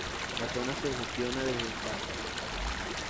La zona se gestiona desde Sparks.